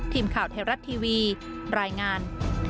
ทีมข่าวไทยรัฐทีวีรายงาน